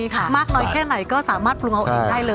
ค่ะมากหน่อยแค่ไหนก็สามารถปรุงของอิงได้เลยใช่